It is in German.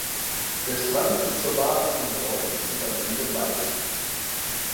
Der Schwanz ist zur Basis hin bräunlich und am Ende weißlich.